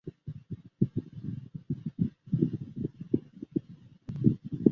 具体工作由公安部承担。